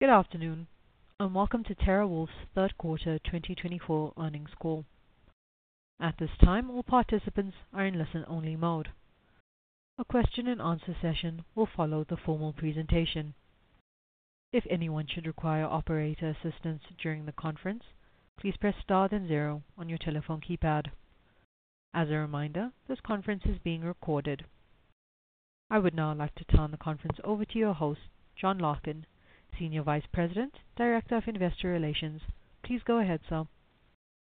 Good afternoon, and welcome to TeraWulf's Third Quarter 2024 Earnings Call. At this time, all participants are in listen-only mode. A question-and-answer session will follow the formal presentation. If anyone should require operator assistance during the conference, please press star then zero on your telephone keypad. As a reminder, this conference is being recorded. I would now like to turn the conference over to your host, John Larkin, Senior Vice President, Director of Investor Relations. Please go ahead, sir.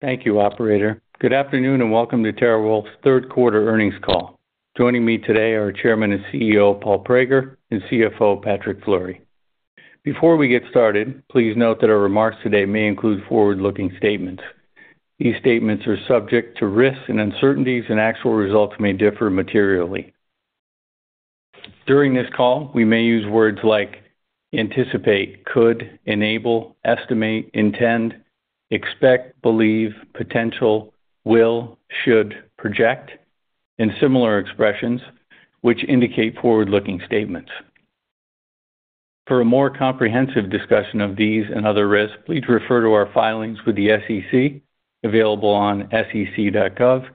Thank you, Operator. Good afternoon, and welcome to TeraWulf's Third Quarter Earnings Call. Joining me today are Chairman and CEO Paul Prager and CFO Patrick Fleury. Before we get started, please note that our remarks today may include forward-looking statements. These statements are subject to risks and uncertainties, and actual results may differ materially. During this call, we may use words like anticipate, could, enable, estimate, intend, expect, believe, potential, will, should, project, and similar expressions, which indicate forward-looking statements. For a more comprehensive discussion of these and other risks, please refer to our filings with the SEC available on sec.gov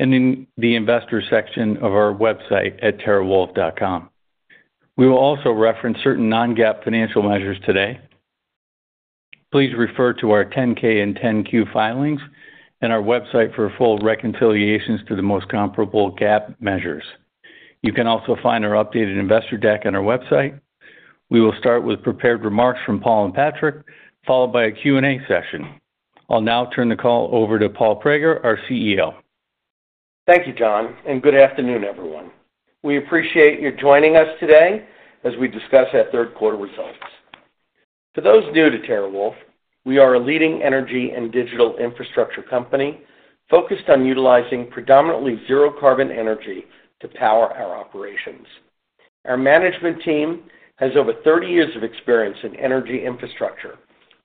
and in the investor section of our website at terawulf.com. We will also reference certain non-GAAP financial measures today. Please refer to our 10-K and 10-Q filings and our website for full reconciliations to the most comparable GAAP measures. You can also find our updated investor deck on our website. We will start with prepared remarks from Paul and Patrick, followed by a Q&A session. I'll now turn the call over to Paul Prager, our CEO. Thank you, John, and good afternoon, everyone. We appreciate your joining us today as we discuss our third quarter results. For those new to TeraWulf, we are a leading energy and digital infrastructure company focused on utilizing predominantly zero-carbon energy to power our operations. Our management team has over 30 years of experience in energy infrastructure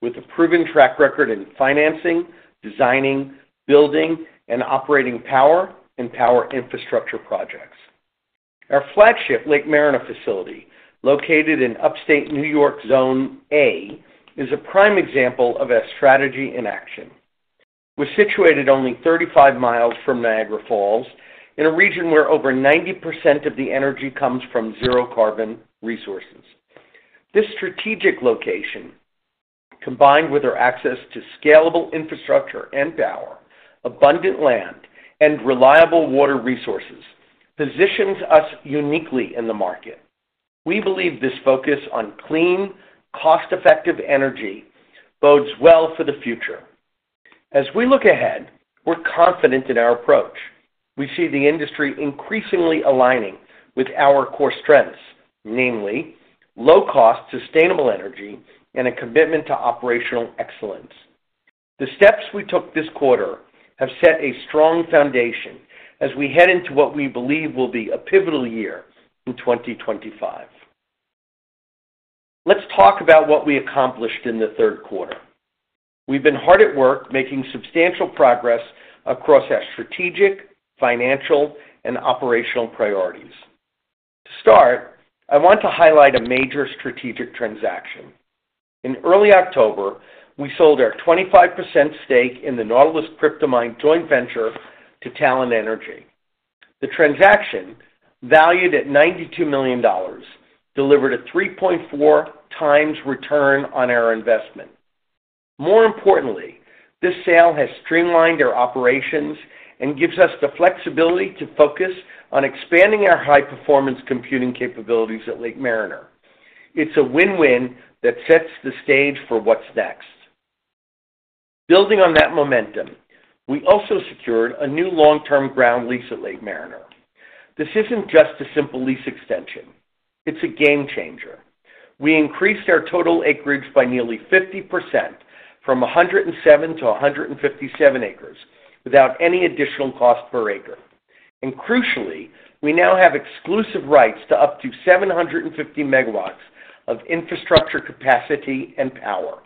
with a proven track record in financing, designing, building, and operating power and power infrastructure projects. Our flagship Lake Mariner facility, located in upstate New York Zone A, is a prime example of our strategy in action. We're situated only 35 mi from Niagara Falls in a region where over 90% of the energy comes from zero-carbon resources. This strategic location, combined with our access to scalable infrastructure and power, abundant land, and reliable water resources, positions us uniquely in the market. We believe this focus on clean, cost-effective energy bodes well for the future. As we look ahead, we're confident in our approach. We see the industry increasingly aligning with our core strengths, namely low-cost, sustainable energy, and a commitment to operational excellence. The steps we took this quarter have set a strong foundation as we head into what we believe will be a pivotal year in 2025. Let's talk about what we accomplished in the third quarter. We've been hard at work making substantial progress across our strategic, financial, and operational priorities. To start, I want to highlight a major strategic transaction. In early October, we sold our 25% stake in the Nautilus Cryptomine joint venture to Talen Energy. The transaction, valued at $92 million, delivered a 3.4-times return on our investment. More importantly, this sale has streamlined our operations and gives us the flexibility to focus on expanding our high-performance computing capabilities at Lake Mariner. It's a win-win that sets the stage for what's next. Building on that momentum, we also secured a new long-term ground lease at Lake Mariner. This isn't just a simple lease extension. It's a game changer. We increased our total acreage by nearly 50% from 107-157 acres without any additional cost per acre. And crucially, we now have exclusive rights to up to 750 MW of infrastructure capacity and power,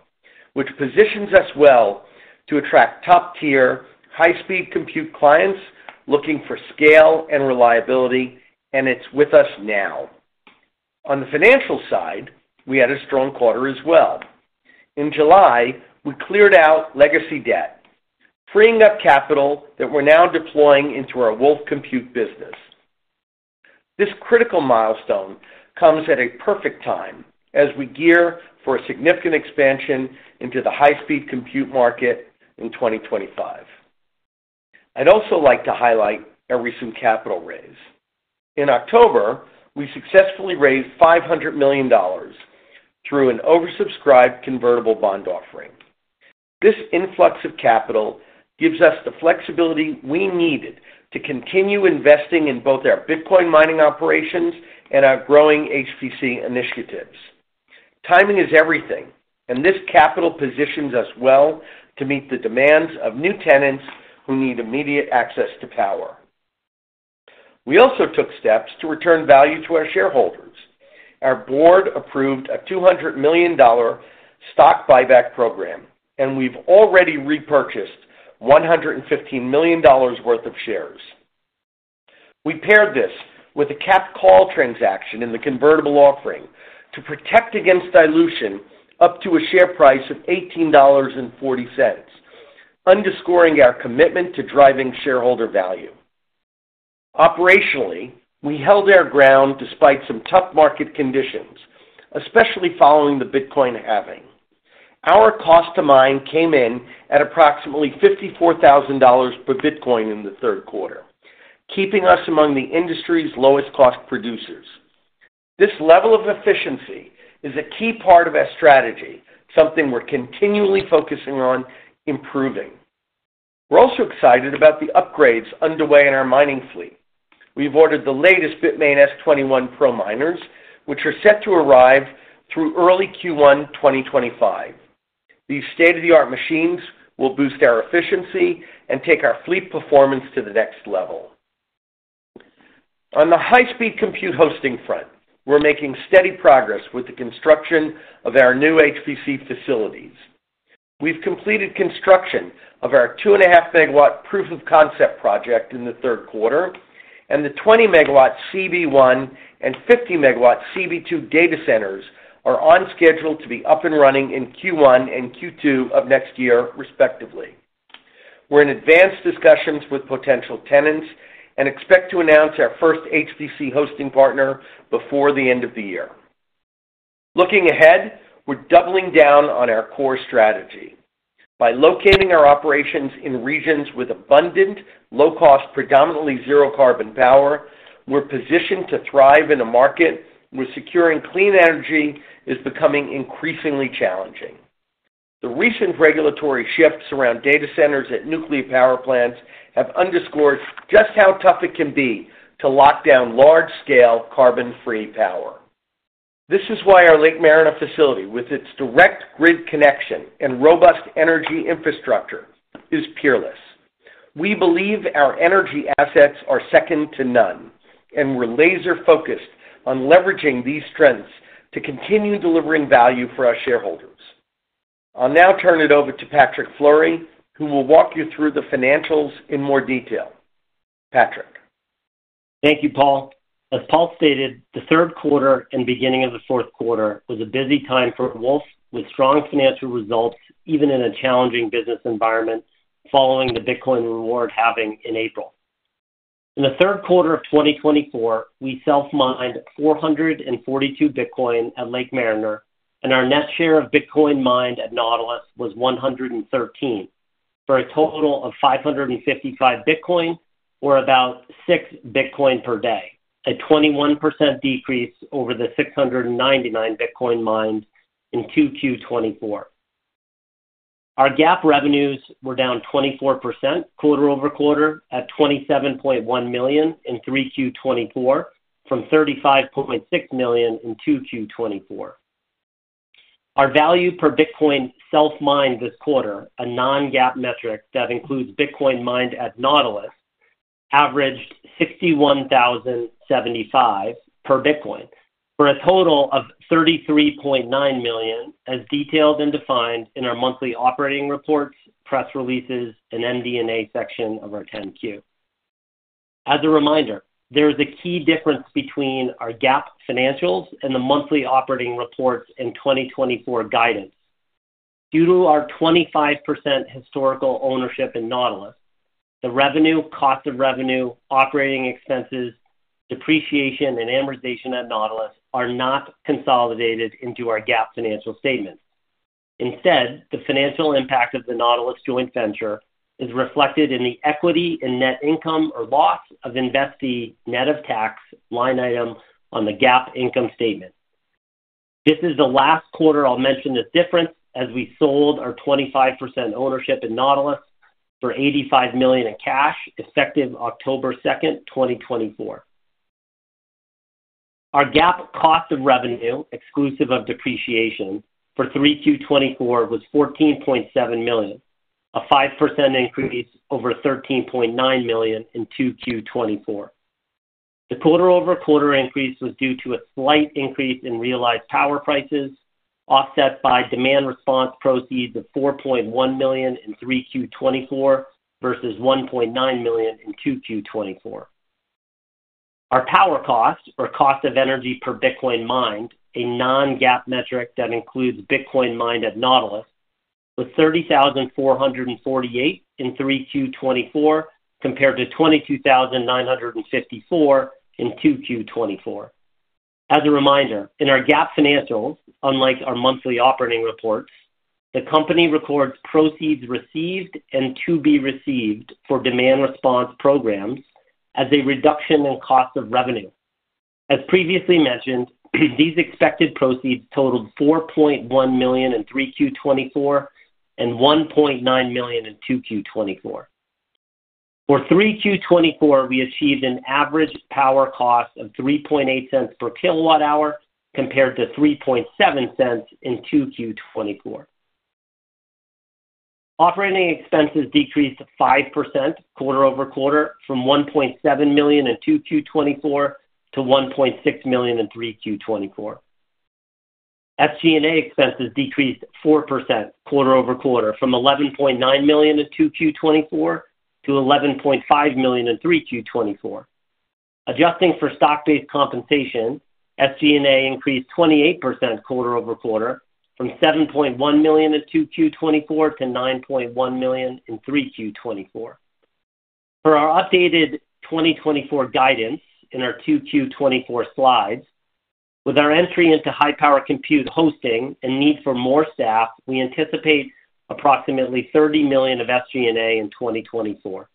which positions us well to attract top-tier, high-speed compute clients looking for scale and reliability, and it's with us now. On the financial side, we had a strong quarter as well. In July, we cleared out legacy debt, freeing up capital that we're now deploying into our WULF Compute business. This critical milestone comes at a perfect time as we gear for a significant expansion into the high-speed compute market in 2025. I'd also like to highlight our recent capital raise. In October, we successfully raised $500 million through an oversubscribed convertible bond offering. This influx of capital gives us the flexibility we needed to continue investing in both our Bitcoin mining operations and our growing HPC initiatives. Timing is everything, and this capital positions us well to meet the demands of new tenants who need immediate access to power. We also took steps to return value to our shareholders. Our board approved a $200 million stock buyback program, and we've already repurchased $115 million worth of shares. We paired this with a capped call transaction in the convertible offering to protect against dilution up to a share price of $18.40, underscoring our commitment to driving shareholder value. Operationally, we held our ground despite some tough market conditions, especially following the Bitcoin halving. Our cost-to-mine came in at approximately $54,000 per Bitcoin in the third quarter, keeping us among the industry's lowest-cost producers. This level of efficiency is a key part of our strategy, something we're continually focusing on improving. We're also excited about the upgrades underway in our mining fleet. We've ordered the latest Bitmain S21 Pro miners, which are set to arrive through early Q1 2025. These state-of-the-art machines will boost our efficiency and take our fleet performance to the next level. On the high-speed compute hosting front, we're making steady progress with the construction of our new HPC facilities. We've completed construction of our 2.5 MW proof-of-concept project in the third quarter, and the 20 MW CB1 and 50 MW CB2 data centers are on schedule to be up and running in Q1 and Q2 of next year, respectively. We're in advanced discussions with potential tenants and expect to announce our first HPC hosting partner before the end of the year. Looking ahead, we're doubling down on our core strategy. By locating our operations in regions with abundant, low-cost, predominantly zero-carbon power, we're positioned to thrive in a market where securing clean energy is becoming increasingly challenging. The recent regulatory shifts around data centers at nuclear power plants have underscored just how tough it can be to lock down large-scale carbon-free power. This is why our Lake Mariner facility, with its direct grid connection and robust energy infrastructure, is peerless. We believe our energy assets are second to none, and we're laser-focused on leveraging these strengths to continue delivering value for our shareholders. I'll now turn it over to Patrick Fleury, who will walk you through the financials in more detail. Patrick? Thank you, Paul. As Paul stated, the third quarter and beginning of the fourth quarter was a busy time for TeraWulf with strong financial results, even in a challenging business environment following the Bitcoin Halving in April. In the third quarter of 2024, we self-mined 442 Bitcoin at Lake Mariner, and our net share of Bitcoin mined at Nautilus was 113, for a total of 555 Bitcoin, or about 6 Bitcoin per day, a 21% decrease over the 699 Bitcoin mined in Q2 2024. Our GAAP revenues were down 24% quarter-over-quarter at $27.1 million in Q3 2024, from $35.6 million in Q2 2024. Our value per Bitcoin self-mined this quarter, a non-GAAP metric that includes Bitcoin mined at Nautilus, averaged $61,075 per Bitcoin, for a total of $33.9 million, as detailed and defined in our monthly operating reports, press releases, and MD&A section of our 10-Q. As a reminder, there is a key difference between our GAAP financials and the monthly operating reports and 2024 guidance. Due to our 25% historical ownership in Nautilus, the revenue, cost of revenue, operating expenses, depreciation, and amortization at Nautilus are not consolidated into our GAAP financial statement. Instead, the financial impact of the Nautilus joint venture is reflected in the equity and net income or loss of investee net of tax line item on the GAAP income statement. This is the last quarter I'll mention this difference, as we sold our 25% ownership in Nautilus for $85 million in cash, effective October 2nd, 2024. Our GAAP cost of revenue, exclusive of depreciation, for Q3 2024 was $14.7 million, a 5% increase over $13.9 million in Q2 2024. The quarter-over-quarter increase was due to a slight increase in realized power prices, offset by demand response proceeds of $4.1 million in Q3 2024 versus $1.9 million in Q2 2024. Our power cost, or cost of energy per Bitcoin mined, a non-GAAP metric that includes Bitcoin mined at Nautilus, was $30,448 in Q3 2024 compared to $22,954 in Q2 2024. As a reminder, in our GAAP financials, unlike our monthly operating reports, the company records proceeds received and to be received for demand response programs as a reduction in cost of revenue. As previously mentioned, these expected proceeds totaled $4.1 million in Q3 2024 and $1.9 million in Q2 2024. For Q3 2024, we achieved an average power cost of $0.038 per kWh compared to $0.037 in Q2 2024. Operating expenses decreased 5% quarter-over-quarter from $1.7 million in Q2 2024 to $1.6 million in Q3 2024. SG&A expenses decreased 4% quarter-over-quarter from $11.9 million in Q2 2024 to $11.5 million in Q3 2024. Adjusting for stock-based compensation, SG&A increased 28% quarter-over-quarter from $7.1 million in Q2 2024 to $9.1 million in Q3 2024. For our updated 2024 guidance in our Q3 2024 slides, with our entry into high-performance compute hosting and need for more staff, we anticipate approximately $30 million of SG&A in 2024.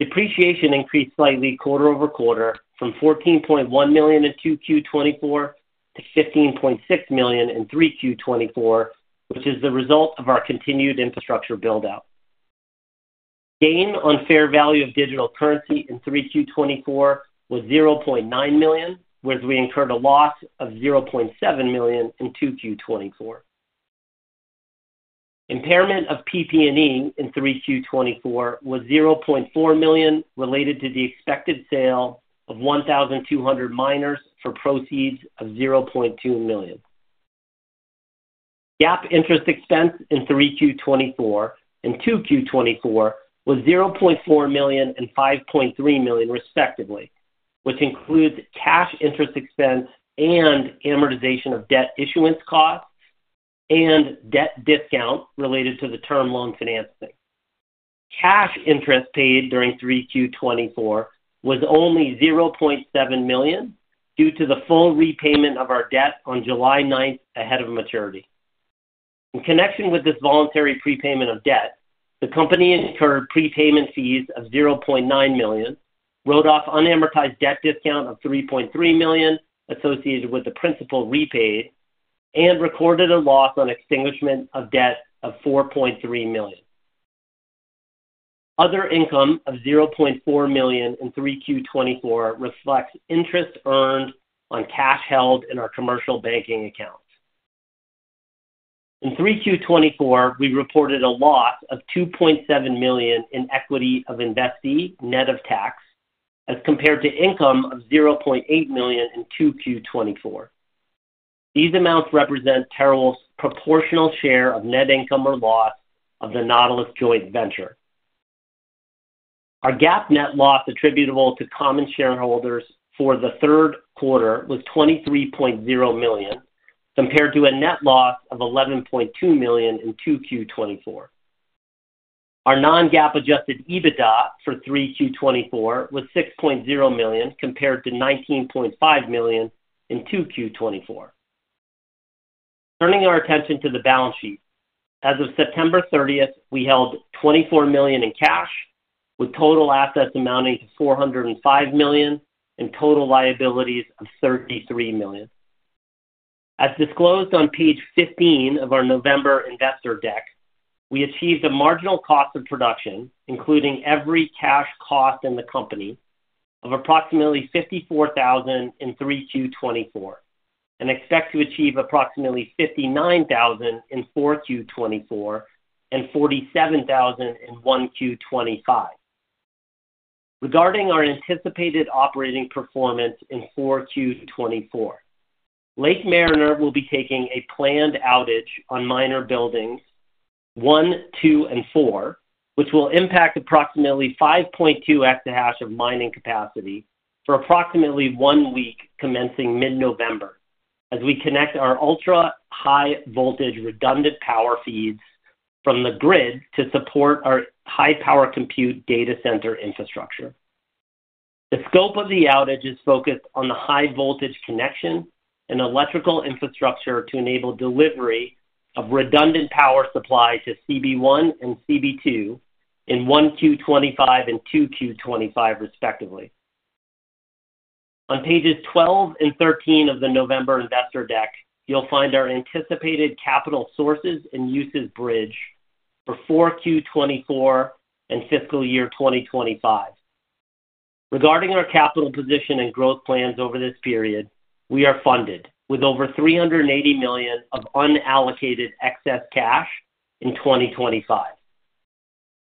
Depreciation increased slightly quarter-over-quarter from $14.1 million in Q2 2024 to $15.6 million in Q3 2024, which is the result of our continued infrastructure build-out. Gain on fair value of digital currency in Q3 2024 was $0.9 million, whereas we incurred a loss of $0.7 million in Q2 2024. Impairment of PP&E in Q3 2024 was $0.4 million, related to the expected sale of 1,200 miners for proceeds of $0.2 million. GAAP interest expense in Q3 2024 and Q2 2024 was $0.4 million and $5.3 million, respectively, which includes cash interest expense and amortization of debt issuance costs and debt discount related to the term loan financing. Cash interest paid during Q3 2024 was only $0.7 million due to the full repayment of our debt on July 9th ahead of maturity. In connection with this voluntary prepayment of debt, the company incurred prepayment fees of $0.9 million, wrote off unamortized debt discount of $3.3 million associated with the principal repaid, and recorded a loss on extinguishment of debt of $4.3 million. Other income of $0.4 million in Q3 2024 reflects interest earned on cash held in our commercial banking accounts. In Q3 2024, we reported a loss of $2.7 million in equity of investee net of tax, as compared to income of $0.8 million in Q2 2023. These amounts represent TeraWulf's proportional share of net income or loss of the Nautilus joint venture. Our GAAP net loss attributable to common shareholders for the third quarter was $23.0 million, compared to a net loss of $11.2 million in Q2 2024. Our non-GAAP adjusted EBITDA for Q3 2024 was $6.0 million, compared to $19.5 million in Q2 2024. Turning our attention to the balance sheet, as of September 30th, we held $24 million in cash, with total assets amounting to $405 million and total liabilities of $33 million. As disclosed on page 15 of our November investor deck, we achieved a marginal cost of production, including every cash cost in the company, of approximately $54,000 in Q3 2024, and expect to achieve approximately $59,000 in Q4 2024 and $47,000 in Q1 2025. Regarding our anticipated operating performance in Q4 2024, Lake Mariner will be taking a planned outage on mining Buildings 1, 2, and 4, which will impact approximately 5.2 exahash of mining capacity for approximately one week, commencing mid-November, as we connect our ultra-high voltage redundant power feeds from the grid to support our high-power compute data center infrastructure. The scope of the outage is focused on the high-voltage connection and electrical infrastructure to enable delivery of redundant power supply to CB1 and CB2 in Q1 2025 and Q2 2025, respectively. On pages 12 and 13 of the November investor deck, you'll find our anticipated capital sources and uses bridge for Q4 2024 and fiscal year 2025. Regarding our capital position and growth plans over this period, we are funded with over $380 million of unallocated excess cash in 2025.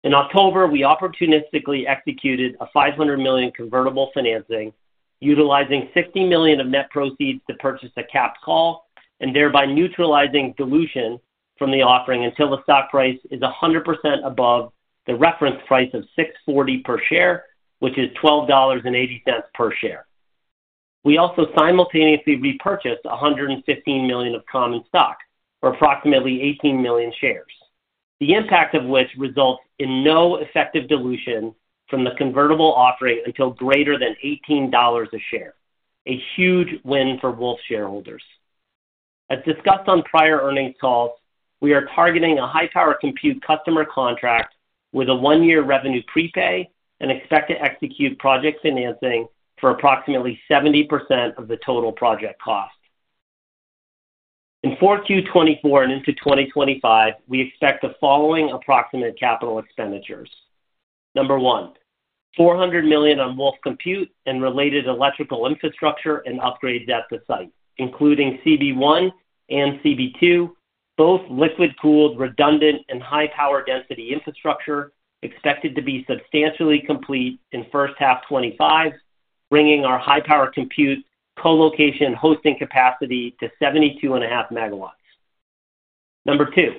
In October, we opportunistically executed a $500 million convertible financing, utilizing $60 million of net proceeds to purchase a capped call and thereby neutralizing dilution from the offering until the stock price is 100% above the reference price of $6.40 per share, which is $12.80 per share. We also simultaneously repurchased $115 million of common stock, or approximately 18 million shares, the impact of which results in no effective dilution from the convertible offering until greater than $18 a share, a huge win for TeraWulf shareholders. As discussed on prior earnings calls, we are targeting a high-performance compute customer contract with a one-year revenue prepay and expect to execute project financing for approximately 70% of the total project cost. In Q4 2024 and into 2025, we expect the following approximate capital expenditures: number one, $400 million on WULF Compute and related electrical infrastructure and upgrades at the site, including CB1 and CB2, both liquid-cooled redundant and high-power density infrastructure, expected to be substantially complete in first half 2025, bringing our high-power compute colocation hosting capacity to 72.5 MW. Number two,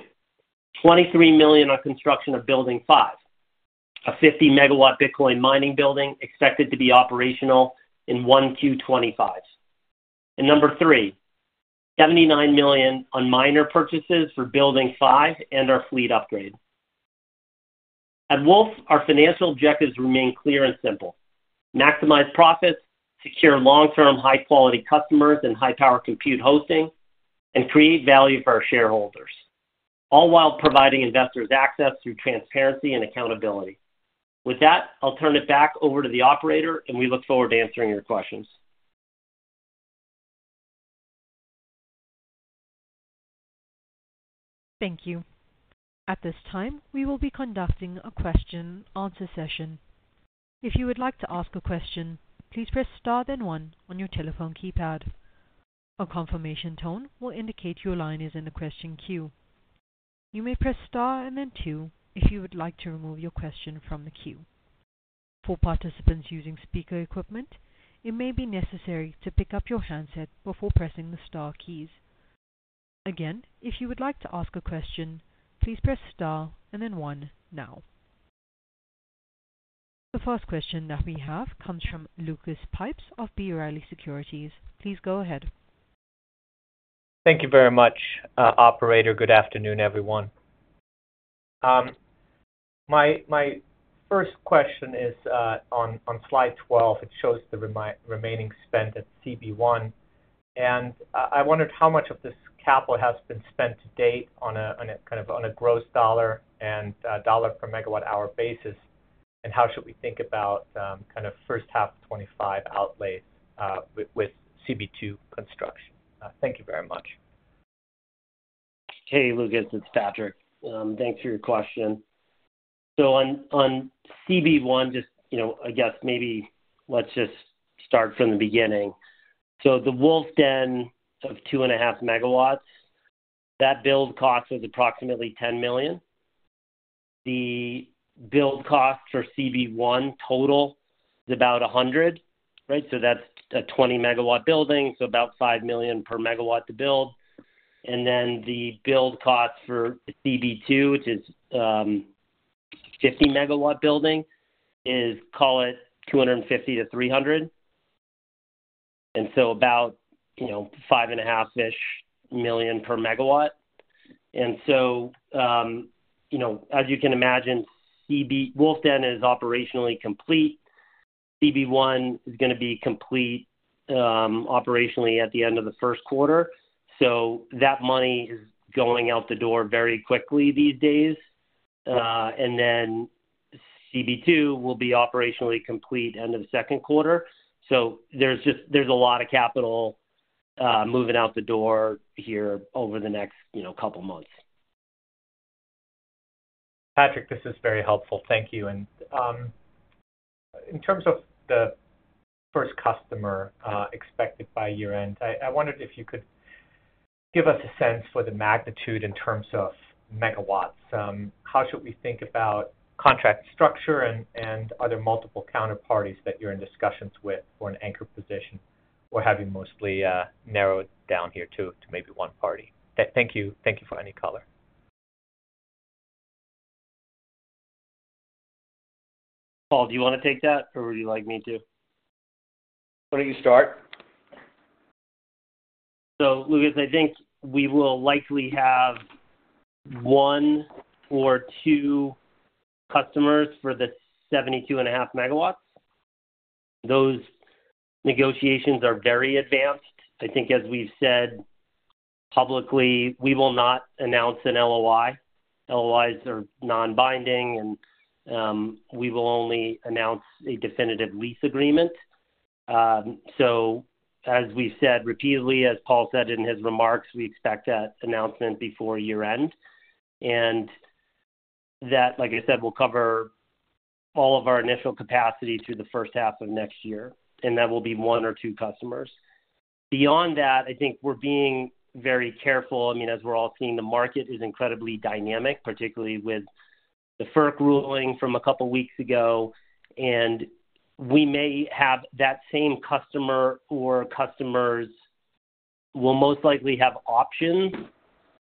$23 million on construction of Building 5, a 50 MW Bitcoin mining building expected to be operational in Q1 2025. And number three, $79 million on miner purchases for Building 5 and our fleet upgrade. at WULF Den, our financial objectives remain clear and simple: maximize profits, secure long-term high-quality customers and high-power compute hosting, and create value for our shareholders, all while providing investors access through transparency and accountability. With that, I'll turn it back over to the operator, and we look forward to answering your questions. Thank you. At this time, we will be conducting a question-answer session. If you would like to ask a question, please press star then one on your telephone keypad. A confirmation tone will indicate your line is in the question queue. You may press star and then two if you would like to remove your question from the queue. For participants using speaker equipment, it may be necessary to pick up your handset before pressing the star keys. Again, if you would like to ask a question, please press star and then one now. The first question that we have comes from Lucas Pipes of B. Riley Securities. Please go ahead. Thank you very much, Operator. Good afternoon, everyone. My first question is on slide 12. It shows the remaining spend at CB1. I wondered how much of this capital has been spent to date on a kind of gross dollar and dollar per MWh basis, and how should we think about kind of first half 2025 outlays with CB2 construction. Thank you very much. Hey, Lucas. It's Patrick. Thanks for your question. So on CB1, just I guess maybe let's just start from the beginning. So the WULF Den of 2.5 MW, that build cost was approximately $10 million. The build cost for CB1 total is about $100 million, right? So that's a 20-MW building, so about $5 million per MW to build. And then the build cost for CB2, which is a 50-MW building, is, call it $250 million-$300 million, and so about $5.5-ish million per MW. And so, as you can imagine, WULF Den is operationally complete. CB1 is going to be complete operationally at the end of the first quarter. So that money is going out the door very quickly these days. And then CB2 will be operationally complete end of the second quarter. So there's a lot of capital moving out the door here over the next couple of months. Patrick, this is very helpful. Thank you. And in terms of the first customer expected by year-end, I wondered if you could give us a sense for the magnitude in terms of MW. How should we think about contract structure and other multiple counterparties that you're in discussions with for an anchor position, or have you mostly narrowed down here to maybe one party? Thank you for any color. Paul, do you want to take that, or would you like me to? Why don't you start? So, Lucas, I think we will likely have one or two customers for the 72.5 MW. Those negotiations are very advanced. I think, as we've said publicly, we will not announce an LOI. LOIs are non-binding, and we will only announce a definitive lease agreement. So, as we've said repeatedly, as Paul said in his remarks, we expect that announcement before year-end. And that, like I said, will cover all of our initial capacity through the first half of next year. And that will be one or two customers. Beyond that, I think we're being very careful. I mean, as we're all seeing, the market is incredibly dynamic, particularly with the FERC ruling from a couple of weeks ago. We may have that same customer or customers will most likely have options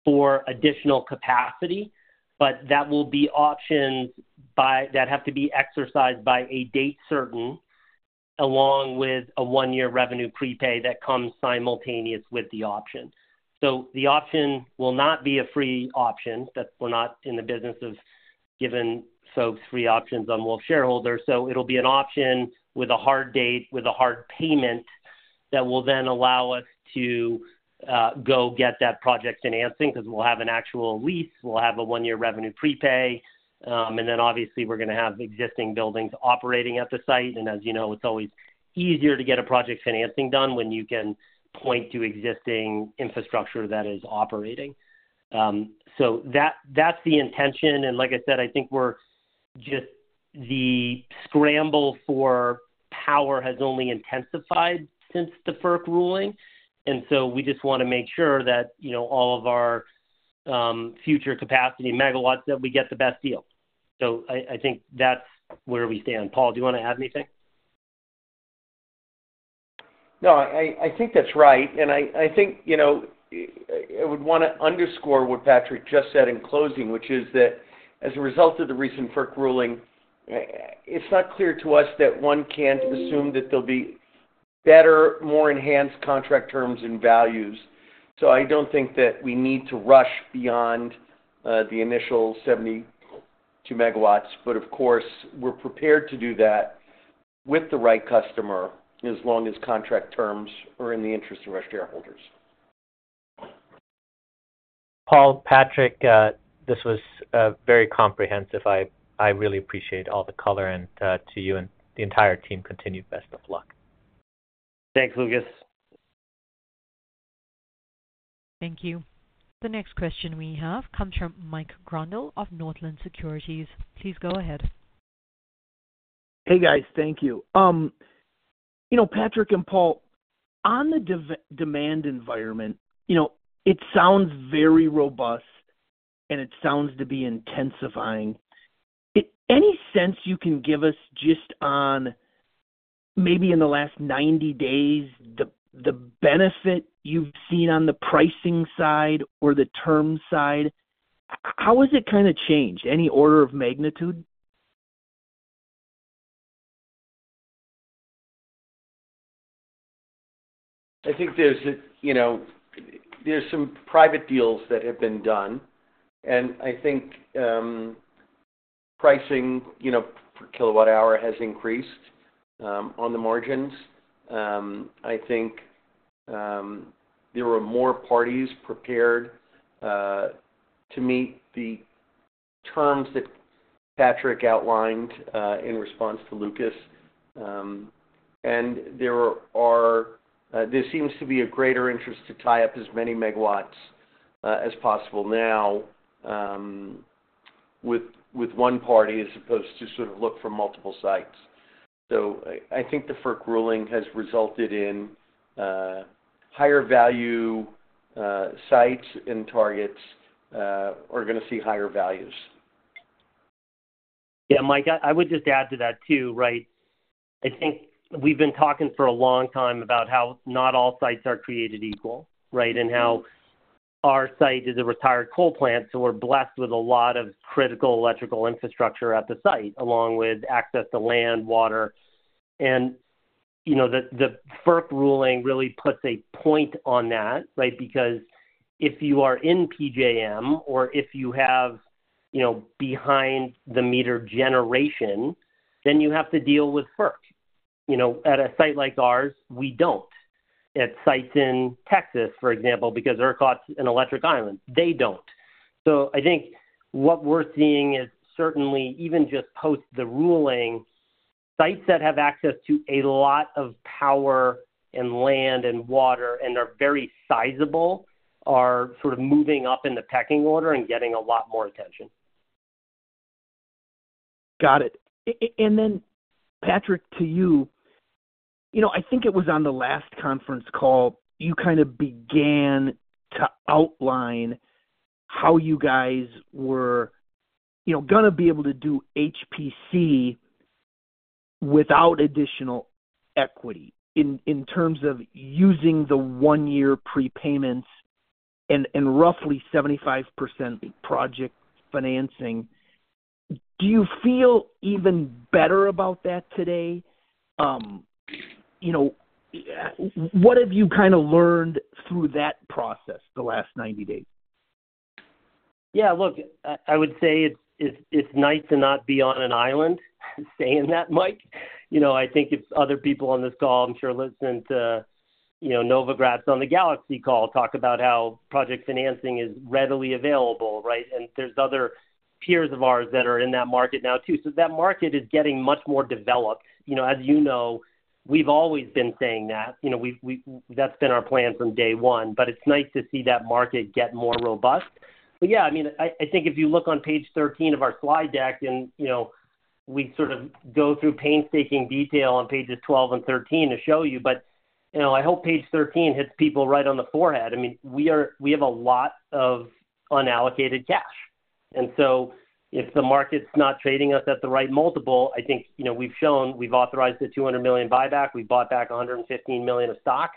for additional capacity, but that will be options that have to be exercised by a date certain, along with a one-year revenue prepay that comes simultaneous with the option. So the option will not be a free option. We're not in the business of giving folks free options on WULF shareholders. So it'll be an option with a hard date, with a hard payment that will then allow us to go get that project financing because we'll have an actual lease. We'll have a one-year revenue prepay. And then, obviously, we're going to have existing buildings operating at the site. And as you know, it's always easier to get a project financing done when you can point to existing infrastructure that is operating. So that's the intention. Like I said, I think the scramble for power has only intensified since the FERC ruling. We just want to make sure that all of our future capacity MW that we get the best deal. I think that's where we stand. Paul, do you want to add anything? No, I think that's right, and I think I would want to underscore what Patrick just said in closing, which is that as a result of the recent FERC ruling, it's not clear to us that one can't assume that there'll be better, more enhanced contract terms and values, so I don't think that we need to rush beyond the initial 72 MW, but, of course, we're prepared to do that with the right customer as long as contract terms are in the interest of our shareholders. Paul, Patrick, this was very comprehensive. I really appreciate all the color, and to you and the entire team. Continued best of luck. Thanks, Lucas. Thank you. The next question we have comes from Mike Grondahl of Northland Securities. Please go ahead. Hey, guys. Thank you. Patrick and Paul, on the demand environment, it sounds very robust, and it sounds to be intensifying. Any sense you can give us just on maybe in the last 90 days, the benefit you've seen on the pricing side or the terms side? How has it kind of changed? Any order of magnitude? I think there's some private deals that have been done. And I think pricing per kWh has increased on the margins. I think there were more parties prepared to meet the terms that Patrick outlined in response to Lucas. And there seems to be a greater interest to tie up as many MW as possible now with one party as opposed to sort of look for multiple sites. So I think the FERC ruling has resulted in higher value sites and targets are going to see higher values. Yeah, Mike, I would just add to that too, right? I think we've been talking for a long time about how not all sites are created equal, right? And how our site is a retired coal plant, so we're blessed with a lot of critical electrical infrastructure at the site, along with access to land, water. And the FERC ruling really puts a point on that, right? Because if you are in PJM or if you have behind-the-meter generation, then you have to deal with FERC. At a site like ours, we don't. At sites in Texas, for example, because they're caught in electric islands, they don't. So I think what we're seeing is certainly, even just post the ruling, sites that have access to a lot of power and land and water and are very sizable are sort of moving up in the pecking order and getting a lot more attention. Got it. And then, Patrick, to you, I think it was on the last conference call, you kind of began to outline how you guys were going to be able to do HPC without additional equity in terms of using the one-year prepayments and roughly 75% project financing. Do you feel even better about that today? What have you kind of learned through that process the last 90 days? Yeah, look, I would say it's nice to not be on an island saying that, Mike. I think if other people on this call, I'm sure listened to Novogratz on the Galaxy call, talk about how project financing is readily available, right? And there's other peers of ours that are in that market now too. So that market is getting much more developed. As you know, we've always been saying that. That's been our plan from day one. But it's nice to see that market get more robust. But yeah, I mean, I think if you look on page 13 of our slide deck, and we sort of go through painstaking detail on pages 12 and 13 to show you, but I hope page 13 hits people right on the forehead. I mean, we have a lot of unallocated cash. And so if the market's not trading us at the right multiple, I think we've shown we've authorized the $200 million buyback. We bought back $115 million of stock.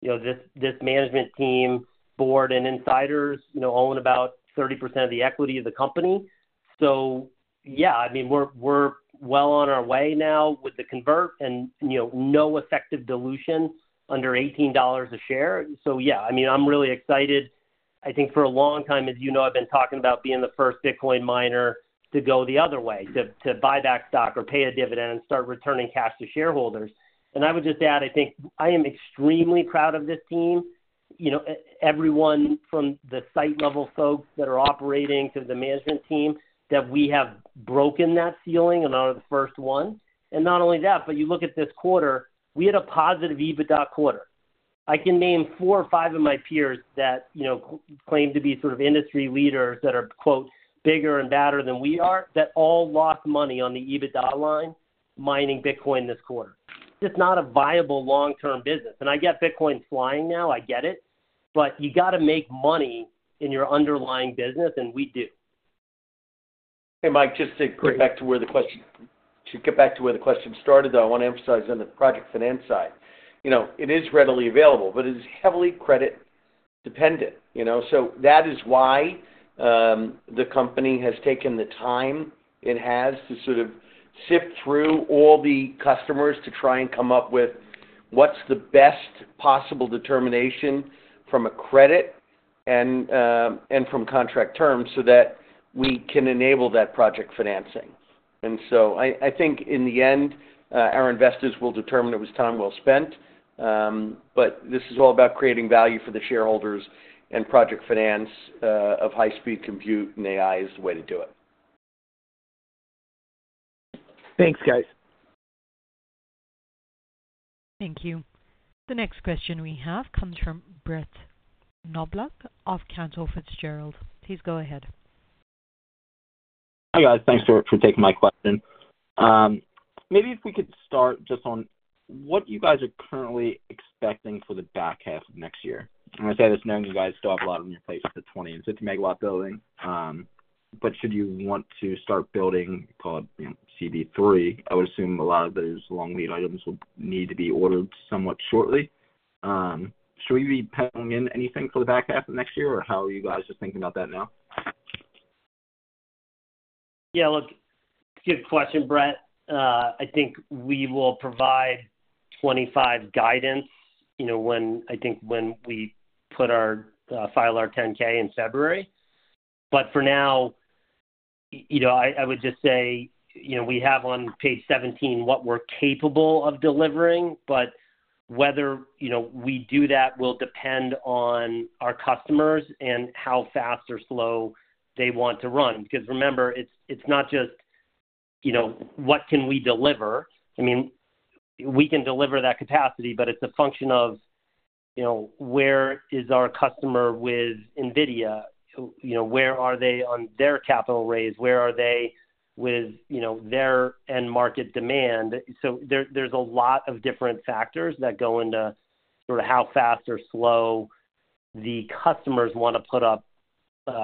This management team, board, and insiders own about 30% of the equity of the company. So yeah, I mean, we're well on our way now with the convert and no effective dilution under $18 a share. So yeah, I mean, I'm really excited. I think for a long time, as you know, I've been talking about being the first Bitcoin miner to go the other way, to buy back stock or pay a dividend and start returning cash to shareholders. And I would just add, I think I am extremely proud of this team. Everyone from the site-level folks that are operating to the management team, that we have broken that ceiling and are the first one. And not only that, but you look at this quarter. We had a positive EBITDA quarter. I can name four or five of my peers that claim to be sort of industry leaders that are "bigger and badder than we are" that all lost money on the EBITDA line mining Bitcoin this quarter. It's not a viable long-term business. And I get Bitcoin's flying now. I get it. But you got to make money in your underlying business, and we do. Hey, Mike, just to get back to where the question started, though, I want to emphasize on the project finance side. It is readily available, but it is heavily credit-dependent. So that is why the company has taken the time it has to sort of sift through all the customers to try and come up with what's the best possible determination from a credit and from contract terms so that we can enable that project financing. And so I think in the end, our investors will determine it was time well spent. But this is all about creating value for the shareholders and project finance of high-speed compute and AI is the way to do it. Thanks, guys. Thank you. The next question we have comes from Brett Knoblauch of Cantor Fitzgerald. Please go ahead. Hi, guys. Thanks for taking my question. Maybe if we could start just on what you guys are currently expecting for the back half of next year. I'm going to say this knowing you guys still have a lot on your plate with the 20 MW and 50 MW building. But should you want to start building called CB3, I would assume a lot of those long lead items will need to be ordered somewhat shortly. Should we be penciling in anything for the back half of next year, or how are you guys just thinking about that now? Yeah, look, good question, Brett. I think we will provide 25 guidance, I think, when we file our 10-K in February, but for now, I would just say we have on page 17 what we're capable of delivering, but whether we do that will depend on our customers and how fast or slow they want to run, because remember, it's not just what can we deliver, I mean, we can deliver that capacity, but it's a function of where is our customer with NVIDIA, where are they on their capital raise, where are they with their end market demand, so there's a lot of different factors that go into sort of how fast or slow the customers want to put up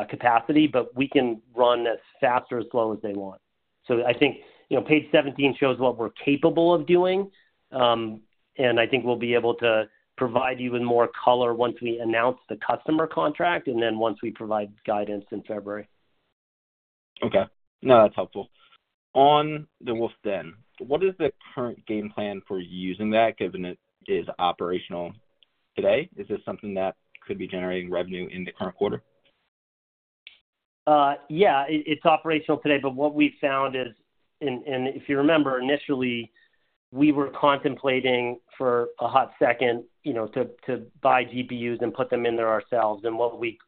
capacity, but we can run as fast or as slow as they want, so I think page 17 shows what we're capable of doing. I think we'll be able to provide you with more color once we announce the customer contract and then once we provide guidance in February. Okay. No, that's helpful. On WULF Den then, what is the current game plan for using that given it is operational today? Is this something that could be generating revenue in the current quarter? Yeah, it's operational today. But what we've found is, and if you remember, initially, we were contemplating for a hot second to buy GPUs and put them in there ourselves. And what we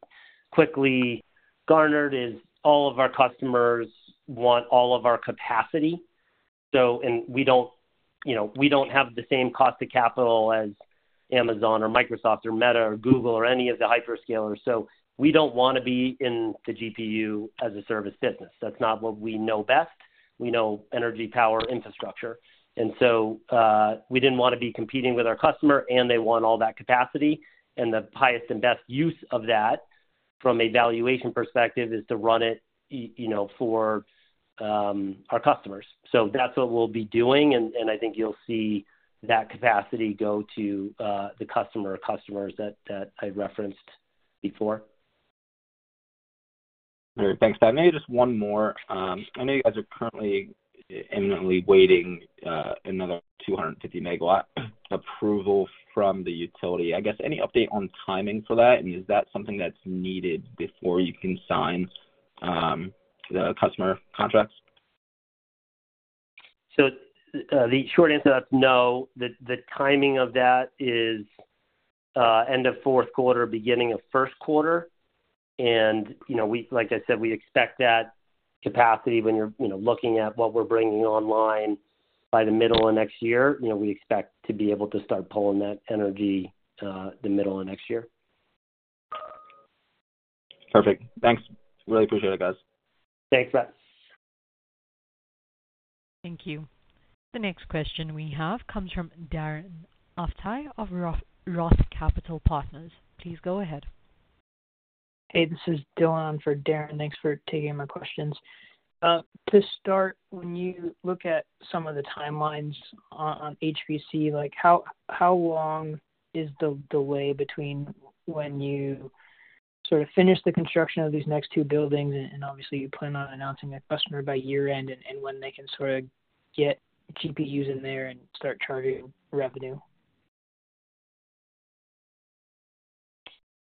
quickly garnered is all of our customers want all of our capacity. And we don't have the same cost of capital as Amazon or Microsoft or Meta or Google or any of the hyperscalers. So we don't want to be in the GPU-as-a-service business. That's not what we know best. We know energy power infrastructure. And so we didn't want to be competing with our customer, and they want all that capacity. And the highest and best use of that from a valuation perspective is to run it for our customers. So that's what we'll be doing. And I think you'll see that capacity go to the customer or customers that I referenced before. All right. Thanks. Maybe just one more. I know you guys are currently imminently waiting another 250 MW approval from the utility. I guess any update on timing for that? And is that something that's needed before you can sign the customer contracts? So the short answer to that's no. The timing of that is end of fourth quarter, beginning of first quarter. And like I said, we expect that capacity when you're looking at what we're bringing online by the middle of next year. We expect to be able to start pulling that energy the middle of next year. Perfect. Thanks. Really appreciate it, guys. Thanks, Brett. Thank you. The next question we have comes from Darren Aftahi of Roth Capital Partners. Please go ahead. Hey, this is Dillon for Darren. Thanks for taking my questions. To start, when you look at some of the timelines on HPC, how long is the delay between when you sort of finish the construction of these next two buildings? And obviously, you plan on announcing a customer by year-end and when they can sort of get GPUs in there and start charging revenue?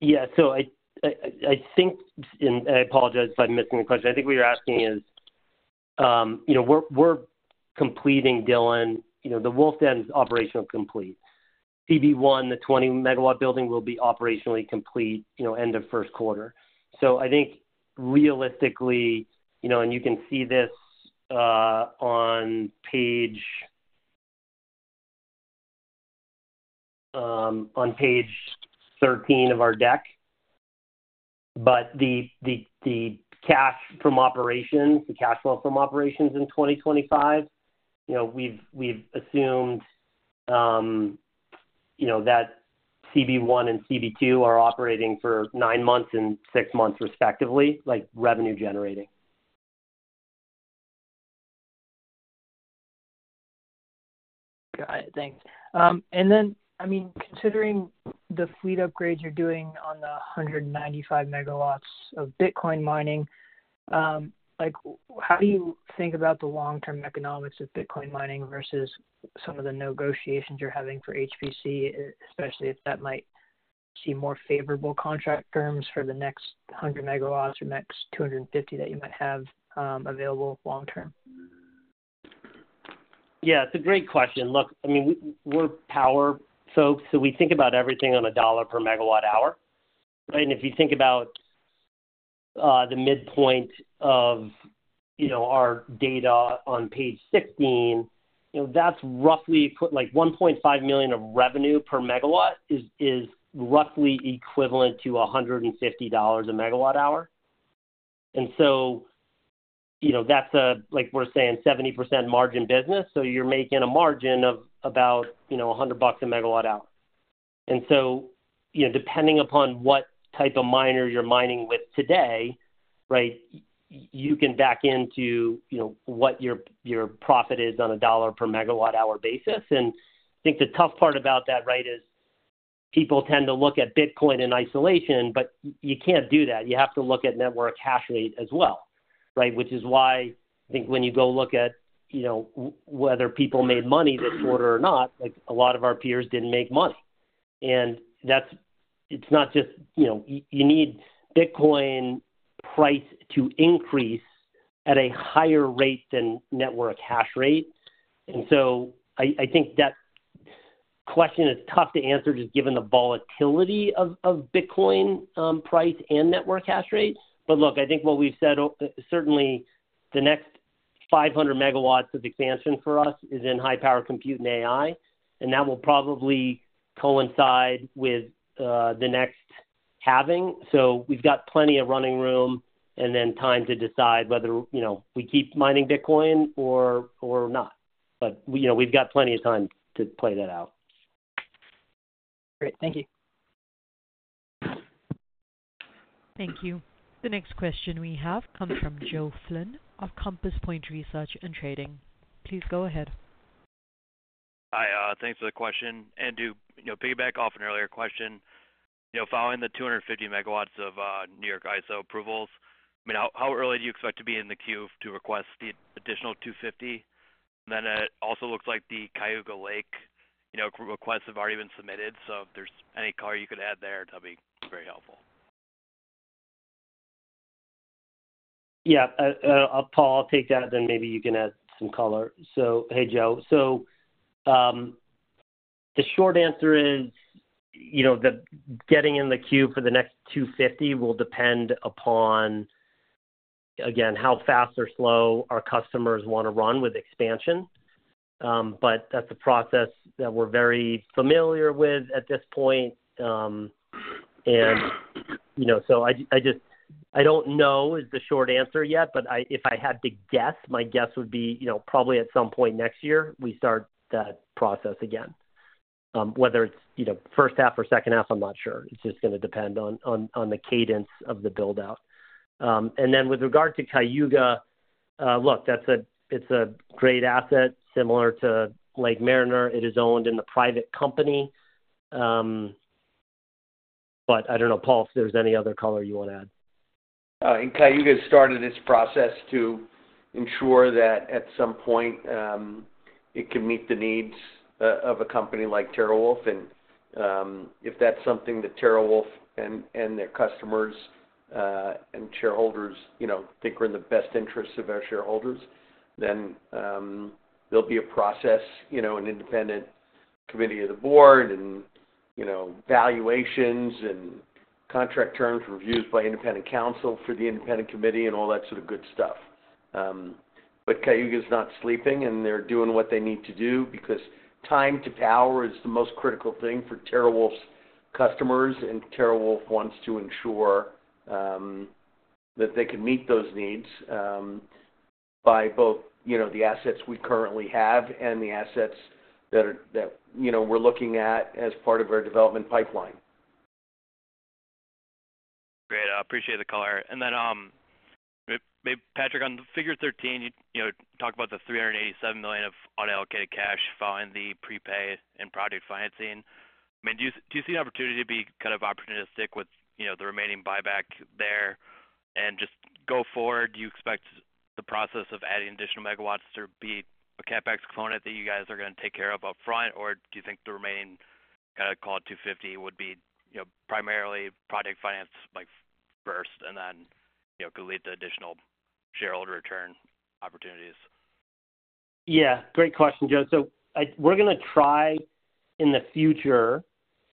Yeah. So I think, and I apologize if I'm missing the question, I think what you're asking is we're completing, Dylan, the WULF Den is operationally complete. CB1, the 20 MW building, will be operationally complete end of first quarter. So I think realistically, and you can see this on page 13 of our deck, but the cash from operations, the cash flow from operations in 2025, we've assumed that CB1 and CB2 are operating for nine months and six months respectively, revenue-generating. Got it. Thanks. And then, I mean, considering the fleet upgrades you're doing on the 195 MW of Bitcoin mining, how do you think about the long-term economics of Bitcoin mining versus some of the negotiations you're having for HPC, especially if that might see more favorable contract terms for the next 100 MW or next 250 that you might have available long-term? Yeah, it's a great question. Look, I mean, we're power folks, so we think about everything on a dollar per MWh. And if you think about the midpoint of our data on page 16, that's roughly put like $1.5 million of revenue per MW is roughly equivalent to $150 a MWh. And so that's a, like we're saying, 70% margin business. So you're making a margin of about $100 a MWh. And so depending upon what type of miner you're mining with today, right, you can back into what your profit is on a dollar per MWh basis. And I think the tough part about that, right, is people tend to look at Bitcoin in isolation, but you can't do that. You have to look at network hash rate as well, right, which is why I think when you go look at whether people made money this quarter or not, a lot of our peers didn't make money, and it's not just you need Bitcoin price to increase at a higher rate than network hash rate, and so I think that question is tough to answer just given the volatility of Bitcoin price and network hash rate, but look, I think what we've said, certainly the next 500 MW of expansion for us is in high-power compute and AI, and that will probably coincide with the next halving, so we've got plenty of running room and then time to decide whether we keep mining Bitcoin or not, but we've got plenty of time to play that out. Great. Thank you. Thank you. The next question we have comes from Joe Flynn of Compass Point Research and Trading. Please go ahead. Hi. Thanks for the question. And to piggyback off an earlier question, following the 250 MW of New York ISO approvals, I mean, how early do you expect to be in the queue to request the additional 250? And then it also looks like the Cayuga Lake requests have already been submitted. So if there's any color you could add there, that'd be very helpful. Yeah. I'll take that. Then maybe you can add some color. So hey, Joe. So the short answer is getting in the queue for the next 250 will depend upon, again, how fast or slow our customers want to run with expansion. But that's a process that we're very familiar with at this point. And so "I don't know" is the short answer yet. But if I had to guess, my guess would be probably at some point next year, we start that process again. Whether it's first half or second half, I'm not sure. It's just going to depend on the cadence of the build-out. And then with regard to Cayuga, look, that's a great asset similar to Lake Mariner. It is owned in a private company. But I don't know, Paul, if there's any other color you want to add. Oh, and Cayuga has started this process to ensure that at some point it can meet the needs of a company like TeraWulf. And if that's something that TeraWulf and their customers and shareholders think are in the best interests of our shareholders, then there'll be a process, an independent committee of the board and valuations and contract terms reviewed by independent counsel for the independent committee and all that sort of good stuff. But Cayuga is not sleeping, and they're doing what they need to do because time to power is the most critical thing for TeraWulf's customers. And TeraWulf wants to ensure that they can meet those needs by both the assets we currently have and the assets that we're looking at as part of our development pipeline. Great. I appreciate the color. And then Patrick, on figure 13, you talked about the $387 million of unallocated cash following the prepay and project financing. I mean, do you see an opportunity to be kind of opportunistic with the remaining buyback there and just go forward? Do you expect the process of adding additional MW to be a CapEx component that you guys are going to take care of upfront? Or do you think the remaining kind of call it $250 million would be primarily project finance first and then could lead to additional shareholder return opportunities? Yeah. Great question, Joe. So we're going to try in the future.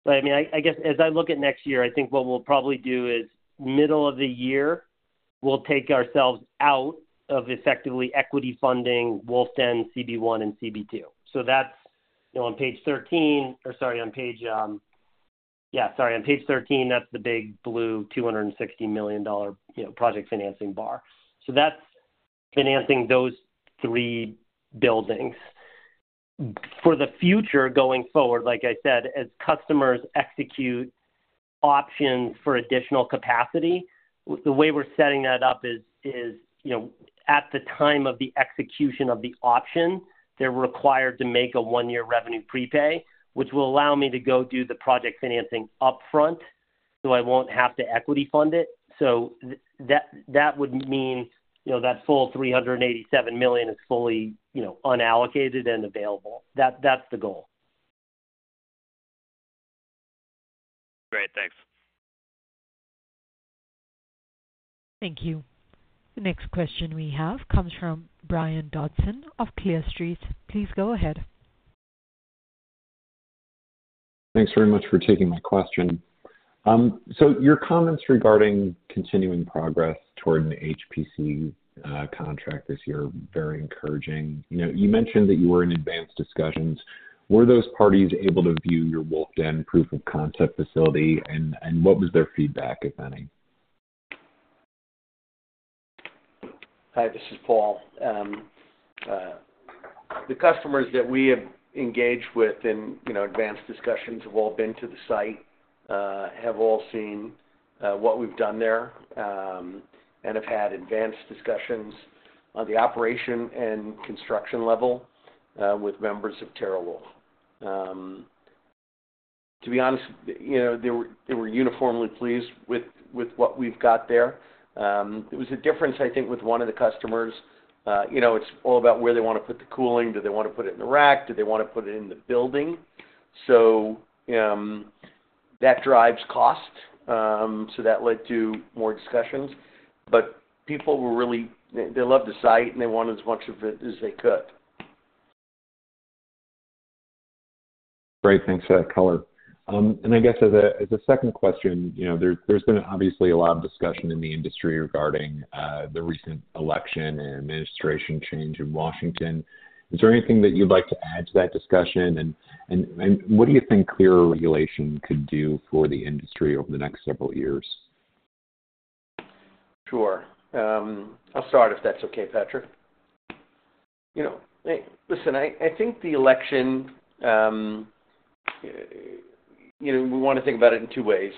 But I mean, I guess as I look at next year, I think what we'll probably do is middle of the year, we'll take ourselves out of effectively equity funding WULF Den, CB1, and CB2. So that's on page 13, that's the big blue $260 million project financing bar. So that's financing those three buildings. For the future going forward, like I said, as customers execute options for additional capacity, the way we're setting that up is at the time of the execution of the option, they're required to make a one-year revenue prepay, which will allow me to go do the project financing upfront so I won't have to equity fund it. So that would mean that full $387 million is fully unallocated and available. That's the goal. Great. Thanks. Thank you. The next question we have comes from Brian Dodson of Clear Street. Please go ahead. Thanks very much for taking my question. So your comments regarding continuing progress toward an HPC contract this year are very encouraging. You mentioned that you were in advanced discussions. Were those parties able to view your WULF Den proof-of-concept facility, and what was their feedback, if any? Hi, this is Paul. The customers that we have engaged with in advanced discussions have all been to the site, have all seen what we've done there, and have had advanced discussions on the operation and construction level with members of TeraWulf. To be honest, they were uniformly pleased with what we've got there. There was a difference, I think, with one of the customers. It's all about where they want to put the cooling. Do they want to put it in the rack? Do they want to put it in the building? So that drives cost. So that led to more discussions. But people were really, they loved the site, and they wanted as much of it as they could. Great. Thanks for that color. And I guess as a second question, there's been obviously a lot of discussion in the industry regarding the recent election and administration change in Washington. Is there anything that you'd like to add to that discussion? And what do you think clearer regulation could do for the industry over the next several years? Sure. I'll start if that's okay, Patrick. Hey, listen. I think the election, we want to think about it in two ways.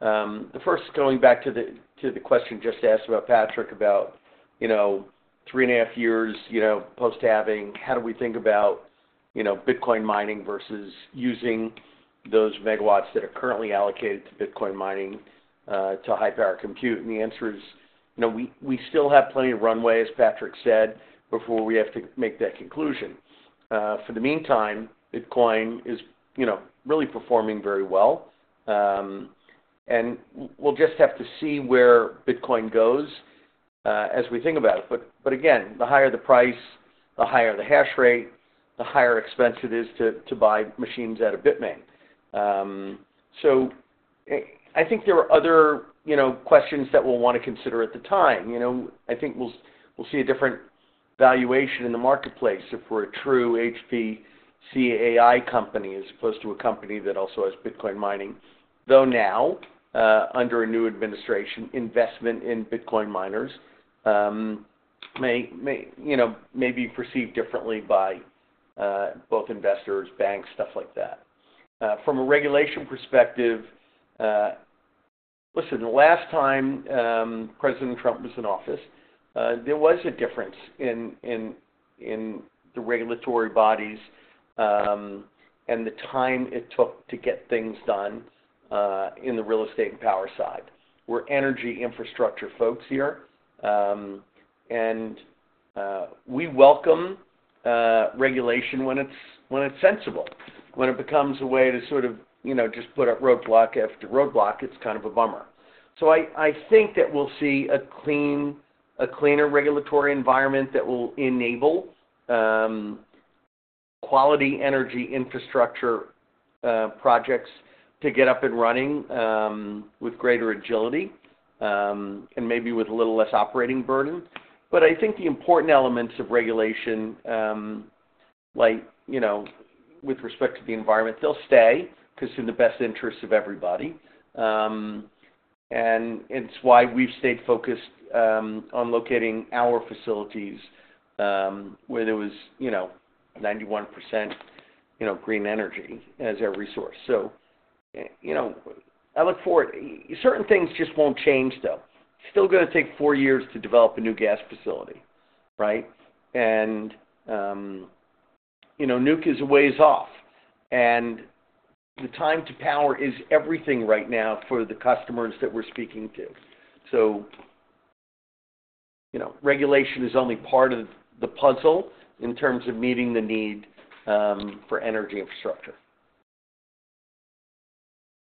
The first, going back to the question just asked about Patrick about three and a half years post-halving, how do we think about Bitcoin mining versus using those MW that are currently allocated to Bitcoin mining to high-power compute? And the answer is we still have plenty of runway, as Patrick said, before we have to make that conclusion. For the meantime, Bitcoin is really performing very well. And we'll just have to see where Bitcoin goes as we think about it. But again, the higher the price, the higher the hash rate, the higher expense it is to buy machines out of Bitmain. So I think there are other questions that we'll want to consider at the time. I think we'll see a different valuation in the marketplace for a true HPC AI company as opposed to a company that also has Bitcoin mining. Though now, under a new administration, investment in Bitcoin miners may be perceived differently by both investors, banks, stuff like that. From a regulation perspective, listen, the last time President Trump was in office, there was a difference in the regulatory bodies and the time it took to get things done in the real estate and power side. We're energy infrastructure folks here, and we welcome regulation when it's sensible. When it becomes a way to sort of just put up roadblock after roadblock, it's kind of a bummer. So I think that we'll see a cleaner regulatory environment that will enable quality energy infrastructure projects to get up and running with greater agility and maybe with a little less operating burden. But I think the important elements of regulation, like with respect to the environment, they'll stay because it's in the best interests of everybody. And it's why we've stayed focused on locating our facilities where there was 91% green energy as our resource. So I look forward. Certain things just won't change, though. It's still going to take four years to develop a new gas facility, right? And nuke is a ways off. And the time to power is everything right now for the customers that we're speaking to. So regulation is only part of the puzzle in terms of meeting the need for energy infrastructure.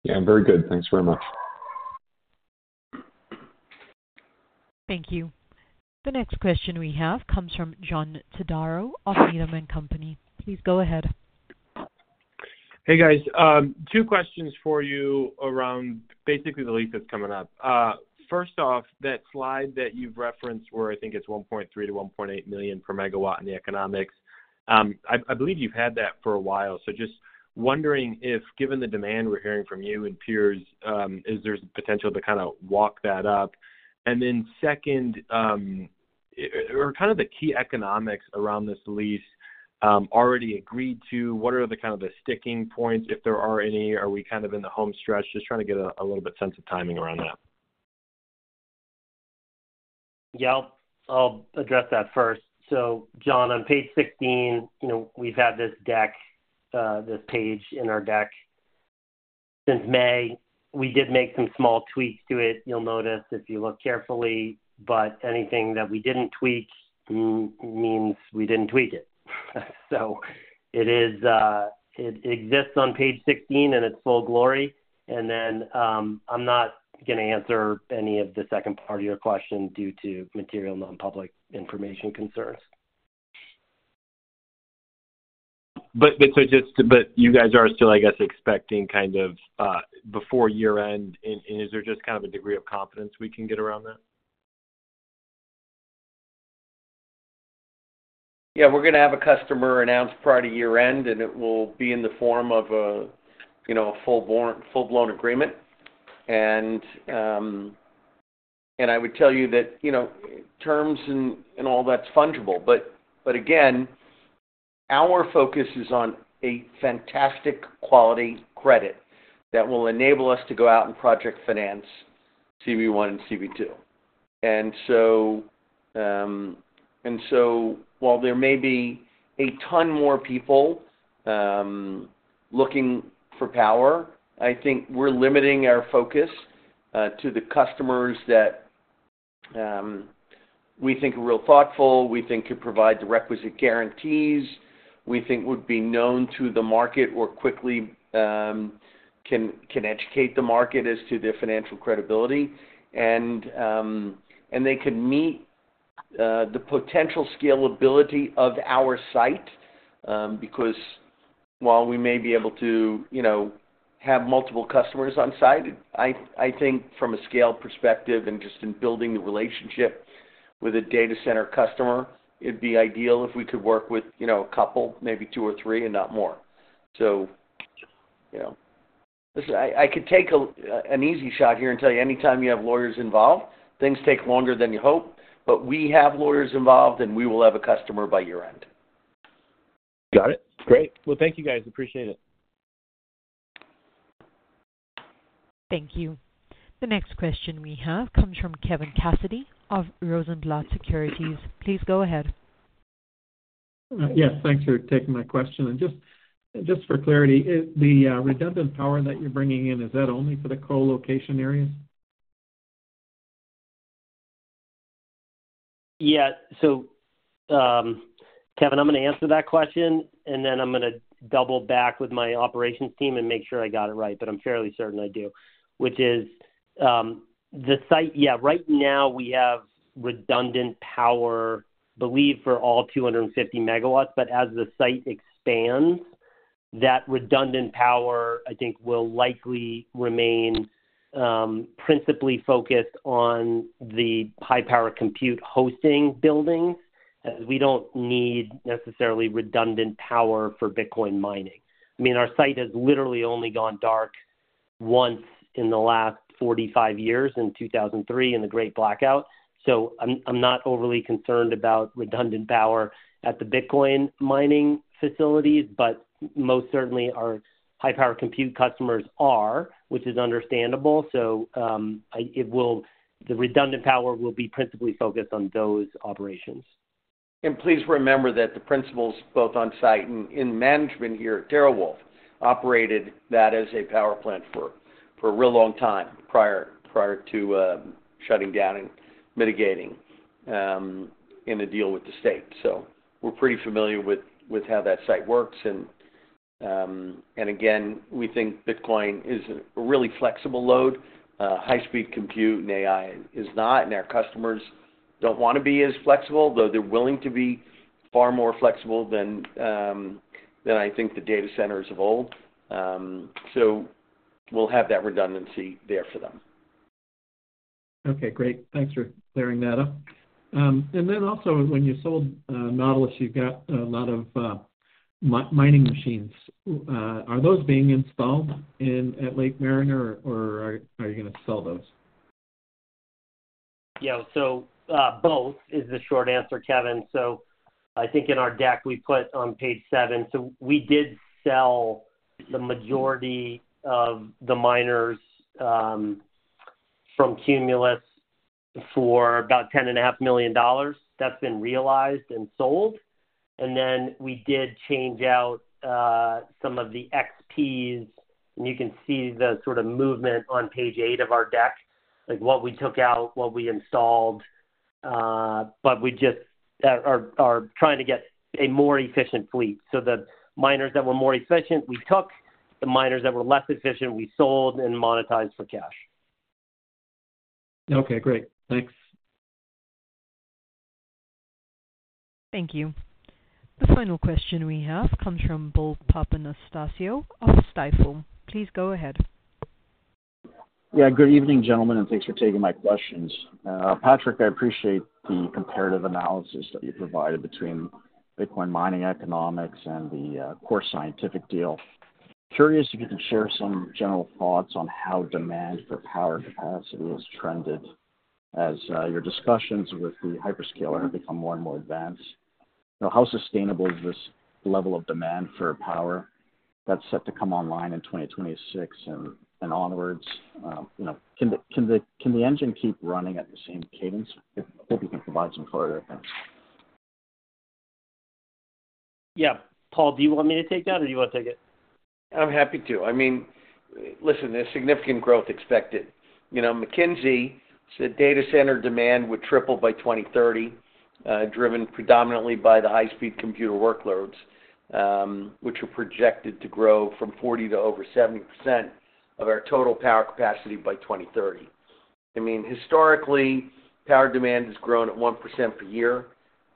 Yeah. Very good. Thanks very much. Thank you. The next question we have comes from John Todaro of Needham & Company. Please go ahead. Hey, guys. Two questions for you around basically the lease that's coming up. First off, that slide that you've referenced where I think it's $1.3 million-$1.8 million per MW in the economics, I believe you've had that for a while. So just wondering if, given the demand we're hearing from you and peers, is there potential to kind of walk that up? And then second, are kind of the key economics around this lease already agreed to? What are kind of the sticking points, if there are any? Are we kind of in the home stretch? Just trying to get a little bit of sense of timing around that. Yeah. I'll address that first. John, on page 16, we've had this page in our deck since May. We did make some small tweaks to it. You'll notice if you look carefully. But anything that we didn't tweak means we didn't tweak it. It exists on page 16 in its full glory. Then I'm not going to answer any of the second part of your question due to material nonpublic information concerns. But you guys are still, I guess, expecting kind of before year-end. And is there just kind of a degree of confidence we can get around that? Yeah. We're going to have a customer announce prior to year-end, and it will be in the form of a full-blown agreement. And I would tell you that terms and all that's fungible. But again, our focus is on a fantastic quality credit that will enable us to go out and project finance CB1 and CB2. And so while there may be a ton more people looking for power, I think we're limiting our focus to the customers that we think are real thoughtful, we think could provide the requisite guarantees, we think would be known to the market or quickly can educate the market as to their financial credibility, and they could meet the potential scalability of our site. Because while we may be able to have multiple customers on site, I think from a scale perspective and just in building the relationship with a data center customer, it'd be ideal if we could work with a couple, maybe two or three, and not more. So I could take an easy shot here and tell you anytime you have lawyers involved, things take longer than you hope. But we have lawyers involved, and we will have a customer by year-end. Got it. Great. Well, thank you, guys. Appreciate it. Thank you. The next question we have comes from Kevin Cassidy of Rosenblatt Securities. Please go ahead. Yes. Thanks for taking my question. And just for clarity, the redundant power that you're bringing in, is that only for the colocation areas? Yeah. So Kevin, I'm going to answer that question, and then I'm going to double back with my operations team and make sure I got it right. But I'm fairly certain I do. Which is the site, yeah, right now we have redundant power, I believe, for all 250 MW. But as the site expands, that redundant power, I think, will likely remain principally focused on the high-power compute hosting buildings. We don't need necessarily redundant power for Bitcoin mining. I mean, our site has literally only gone dark once in the last 45 years in 2003 in the Great Blackout. So I'm not overly concerned about redundant power at the Bitcoin mining facilities, but most certainly our high-power compute customers are, which is understandable. So the redundant power will be principally focused on those operations. And please remember that the principals both on site and in management here at TeraWulf operated that as a power plant for a real long time prior to shutting down and mitigating in a deal with the state. So we're pretty familiar with how that site works. And again, we think Bitcoin is a really flexible load. High-speed compute and AI is not. And our customers don't want to be as flexible, though they're willing to be far more flexible than I think the data centers of old. So we'll have that redundancy there for them. Okay. Great. Thanks for clearing that up. And then also, when you sold Nautilus, you've got a lot of mining machines. Are those being installed at Lake Mariner, or are you going to sell those? Yeah. So both is the short answer, Kevin. So I think in our deck we put on page seven, so we did sell the majority of the miners from Cumulus for about $10.5 million. That's been realized and sold. And then we did change out some of the XPs. And you can see the sort of movement on page eight of our deck, like what we took out, what we installed. But we just are trying to get a more efficient fleet. So the miners that were more efficient, we took. The miners that were less efficient, we sold and monetized for cash. Okay. Great. Thanks. Thank you. The final question we have comes from Bill Papanastasiou of Stifel. Please go ahead. Yeah. Good evening, gentlemen, and thanks for taking my questions. Patrick, I appreciate the comparative analysis that you provided between Bitcoin mining economics and the Core Scientific deal. Curious if you could share some general thoughts on how demand for power capacity has trended as your discussions with the hyperscaler have become more and more advanced. How sustainable is this level of demand for power that's set to come online in 2026 and onwards? Can the engine keep running at the same cadence? I hope you can provide some further things. Yeah. Paul, do you want me to take that, or do you want to take it? I'm happy to. I mean, listen, there's significant growth expected. McKinsey said data center demand would triple by 2030, driven predominantly by the high-speed compute workloads, which are projected to grow from 40% to over 70% of our total power capacity by 2030. I mean, historically, power demand has grown at 1% per year.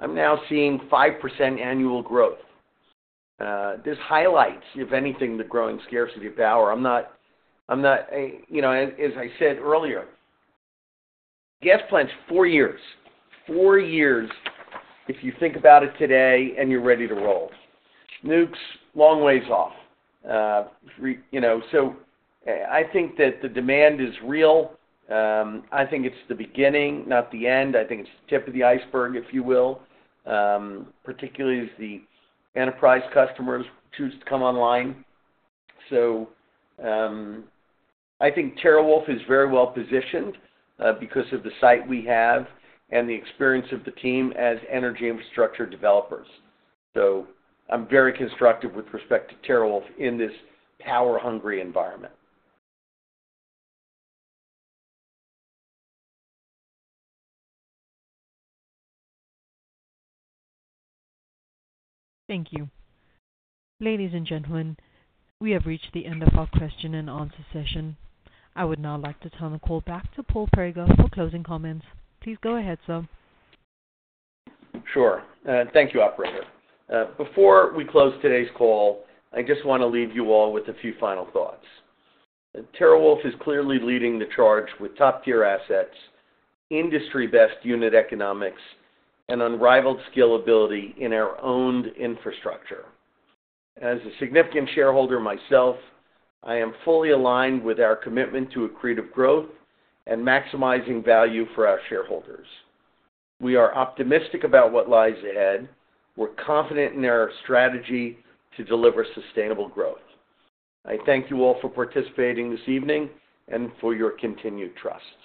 I'm now seeing 5% annual growth. This highlights, if anything, the growing scarcity of power. I'm not, as I said earlier, gas plants are four years. Four years if you think about it today and you're ready to roll. Nukes, long ways off. So I think that the demand is real. I think it's the beginning, not the end. I think it's the tip of the iceberg, if you will, particularly as the enterprise customers choose to come online. I think TeraWulf is very well positioned because of the site we have and the experience of the team as energy infrastructure developers. I'm very constructive with respect to TeraWulf in this power-hungry environment. Thank you. Ladies and gentlemen, we have reached the end of our question-and-answer session. I would now like to turn the call back to Paul Prager for closing comments. Please go ahead, sir. Sure. Thank you, Operator. Before we close today's call, I just want to leave you all with a few final thoughts. TeraWulf is clearly leading the charge with top-tier assets, industry-best unit economics, and unrivaled scalability in our owned infrastructure. As a significant shareholder myself, I am fully aligned with our commitment to accretive growth and maximizing value for our shareholders. We are optimistic about what lies ahead. We're confident in our strategy to deliver sustainable growth. I thank you all for participating this evening and for your continued trust.